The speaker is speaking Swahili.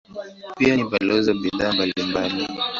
Pia ni balozi wa bidhaa mbalimbali.